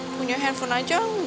punya handphone aja enggak